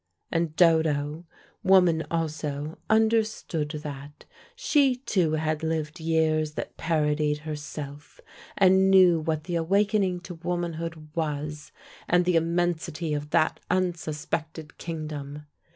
And Dodo, woman also, understood that: she too had lived years that parodied herself, and knew what the awakening to womanhood was, and the immensity of that unsuspected kingdom.